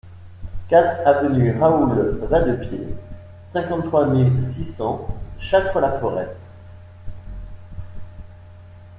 quatre avenue Raoul Vadepied, cinquante-trois mille six cents Châtres-la-Forêt